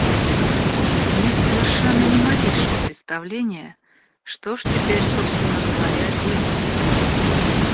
Нет совершенно ни малейшего представления, что ж теперь, собственно говоря, делать?!